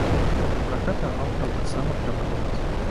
Пра гэта аўтарам таксама трэба думаць.